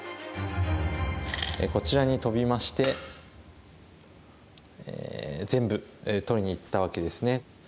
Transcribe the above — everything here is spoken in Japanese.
こちらにトビまして全部取りにいったわけですね。